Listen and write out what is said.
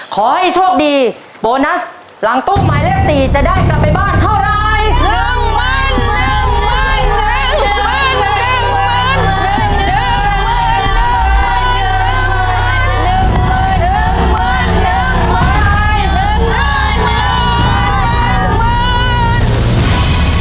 ขอให้โชคดีโบนัสหลังตู้หมายเลข๔จะได้กลับไปบ้านเท่าไร